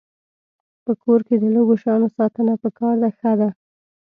په کور کې د لږو شیانو ساتنه پکار ده ښه ده.